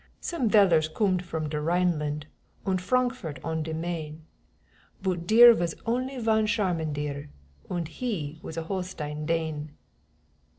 Some vellers coomed from de Rheinland, Und Frankfort on de Main, Boot dere vas only von Sharman dere, Und he vas a Holstein Dane.